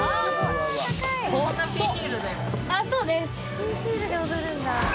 ピンヒールで踊るんだ。